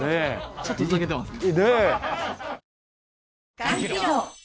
ちょっとふざけてますね。